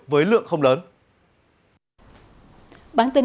với lượng không lớn